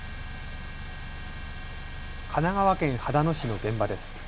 神奈川県秦野市の現場です。